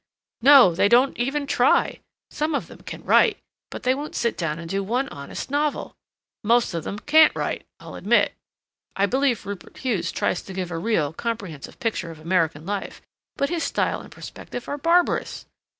"No, they don't even try. Some of them can write, but they won't sit down and do one honest novel. Most of them can't write, I'll admit. I believe Rupert Hughes tries to give a real, comprehensive picture of American life, but his style and perspective are barbarous.